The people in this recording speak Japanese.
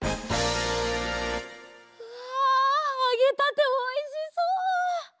わあげたておいしそう！